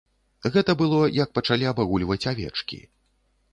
Гэта было, як пачалі абагульваць авечкі.